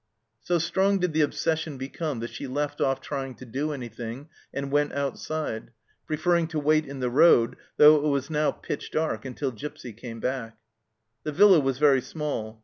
So strong did the obsession become that she left off trying to do anything and went outside, pre ferring to wait in the road, though it was now pitch dark, until Gipsy came back. The villa was very small.